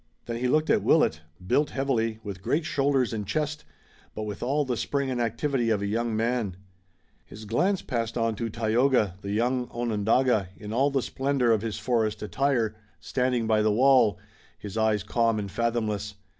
Then he looked at Willet, built heavily, with great shoulders and chest, but with all the spring and activity of a young man. His glance passed on to Tayoga, the young Onondaga, in all the splendor of his forest attire, standing by the wall, his eyes calm and fathomless.